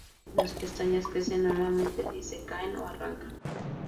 Las pestañas crecen nuevamente si se caen o arrancan.